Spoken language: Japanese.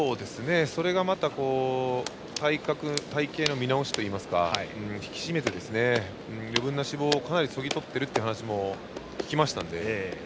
それが、また体形の見直しといいますか引き締めて余分な脂肪をかなりそぎ取っているという話も聞きましたので。